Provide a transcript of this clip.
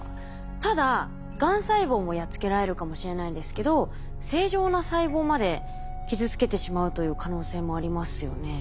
ただがん細胞もやっつけられるかもしれないんですけど正常な細胞まで傷つけてしまうという可能性もありますよね。